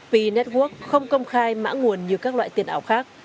p network không công khai mã nguồn như các loại tiền ảo khác